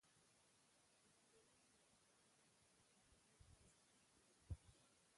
چنګلونه د افغانانو لپاره په معنوي لحاظ ارزښت لري.